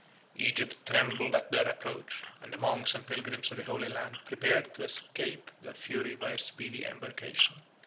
Egypt trembled at their approach; and the monks and pilgrims of the Holy Land prepared to escape their fury by a speedy embarkation.